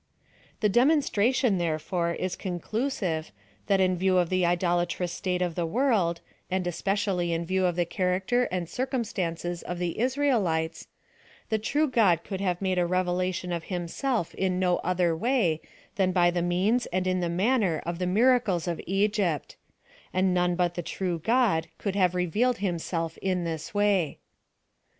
The demonstration, therefore, is conclusive, that in view of the idolatrous state of the world, and especially in view of the charactei and circumstan ces of the Israelites, the true God could have made a revelation of Himself in no other way than by the inears and in the manner ij( the miracles of Egypt; and none but the true God could have revealed him.^elf in this way.